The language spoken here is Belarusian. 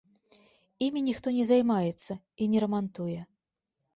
Імі ніхто не займаецца і не рамантуе.